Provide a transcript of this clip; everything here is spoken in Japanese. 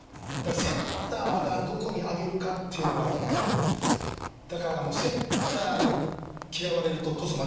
セッターがどこに上げるかっていうのがあるんでだからセッターに嫌われるとトス回ってこないですね。